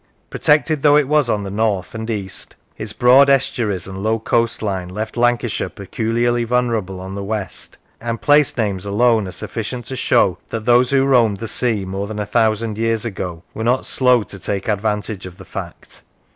Protected though it was on the north, and east, its broad estuaries and low coastline left Lancashire peculiarly vulnerable on the west, and place names alone are sufficient to show that those who roamed the sea more than a thousand years ago were not slow to take advantage of the fact.